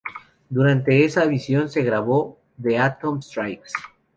Durante esa misión se grabó "The Atom Strikes!